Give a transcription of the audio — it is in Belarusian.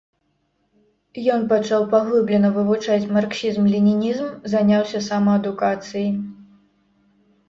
Ён пачаў паглыблена вывучаць марксізм-ленінізм, заняўся самаадукацыяй.